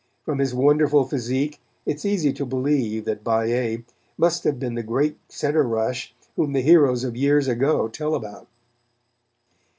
From his wonderful physique it is easy to believe that Balliet must have been the great center rush whom the heroes of years ago tell about.